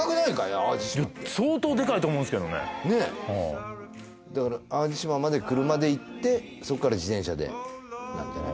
淡路島って相当でかいと思うんですけどねねえだから淡路島まで車で行ってそこから自転車でなんじゃない？